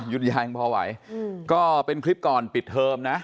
ยุทยายังพอไหวก็เป็นคลิปก่อนปิดเทอมนะ